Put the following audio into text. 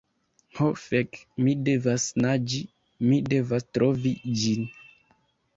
Ho fek! Mi devas naĝi, mi devas trovi ĝin.